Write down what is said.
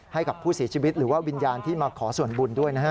ให้กับผู้เสียชีวิตหรือว่าวิญญาณที่มาขอส่วนบุญด้วยนะฮะ